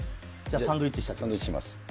サンドイッチします。